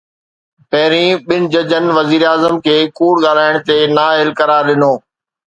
پهرين ٻن ججن وزيراعظم کي ڪوڙ ڳالهائڻ تي نااهل قرار ڏنو.